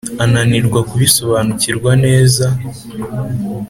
ananirwa kubisobanukirwa neza,